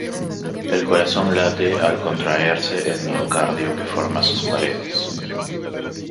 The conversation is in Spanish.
El corazón late al contraerse el miocardio que forma sus paredes.